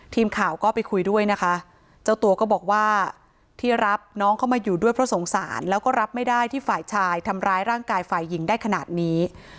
ทีมข่าวก็ไปคุยด้วยนะคะเจ้าตัวก็บอกว่าที่รับน้องเข้ามาอยู่ด้วยเพราะสงสารแล้วก็รับไม่ได้ที่ฝ่ายชายทำร้ายร่างกายฝ่ายหญิงได้ขนาดนี้